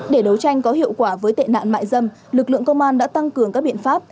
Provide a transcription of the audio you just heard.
để đấu tranh có hiệu quả với tệ nạn mại dâm lực lượng công an đã tăng cường các biện pháp